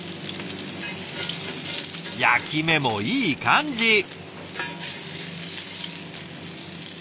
焼き目もいい感じ！